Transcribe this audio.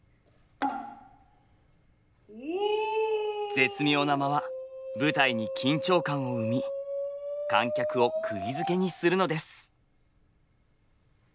絶妙な間は舞台に緊張感を生み観客を釘付けにするのです。